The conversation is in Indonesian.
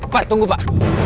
pak tunggu pak